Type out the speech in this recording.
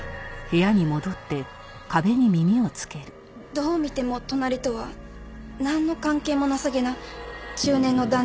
どう見ても隣とはなんの関係もなさげな中年の男女が。